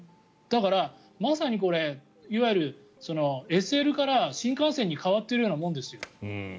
だから、まさにいわゆるＳＬから新幹線に変わってるようなものですよ。